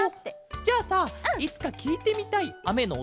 じゃあさいつかきいてみたいあめのおとってあるケロ？